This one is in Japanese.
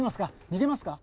逃げますか？